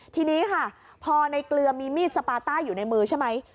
ทีนี้ค่ะพอในเกลือมีมีดสปาต้าอยู่ในมือใช่ไหม